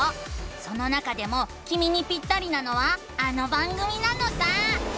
その中でもきみにピッタリなのはあの番組なのさ！